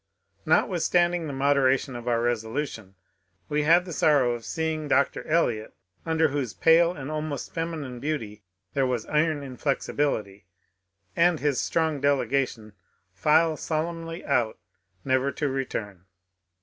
Notwithstanding the moderation of our resolution, we had the sorrow of seeing Dr. Eliot (under whose pale and almost feminine beauty there was iron inflexibility) and his strong delegation file solemnly out, never to return.